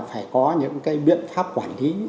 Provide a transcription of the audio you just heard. phải có những cái biện pháp quản lý